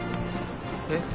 えっ？